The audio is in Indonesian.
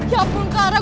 ya ampun clara